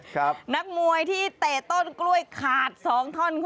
น้างมวยที่เตะต้นกล้วยขาดสองต้นขนาด